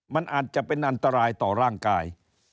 มันอาจจะเป็นอันตรายต่อร่างกาย